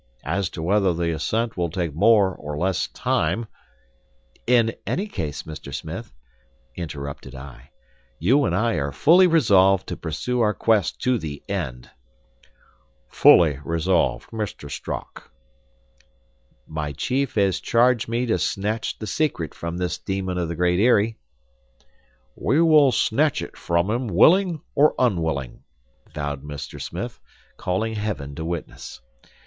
As to whether the ascent will take more or less time—" "In any case, Mr. Smith," interrupted I, "you and I are fully resolved to pursue our quest to the end." "Fully resolved, Mr. Strock." "My chief has charged me to snatch the secret from this demon of the Great Eyrie." "We will snatch it from him, willing or unwilling," vowed Mr. Smith, calling Heaven to witness.